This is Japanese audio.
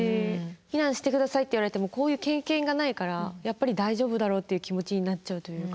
「避難して下さい」って言われてもこういう経験がないからやっぱり「大丈夫だろう」っていう気持ちになっちゃうというか。